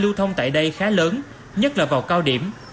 lưu thông tại đây khá lớn nhất là vào cao điểm